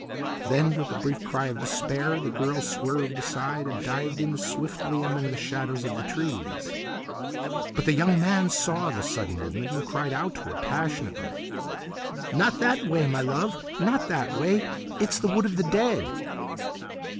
Then, with a brief cry of despair, the girl swerved aside and dived in swiftly among the shadows of the trees. But the young man saw the sudden movement and cried out to her passionately— "Not that way, my love! Not that way! It's the Wood of the Dead!"